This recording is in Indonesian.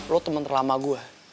lo temen terlama gue